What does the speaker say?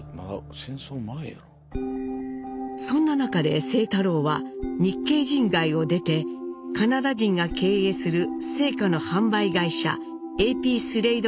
そんな中で清太郎は日系人街を出てカナダ人が経営する青果の販売会社ＡＰスレイドカンパニーで働きます。